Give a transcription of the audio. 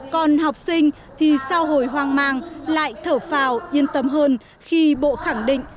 còn học sinh thì sau hồi hoang mang lại thở phào yên tâm hơn khi bộ khẳng định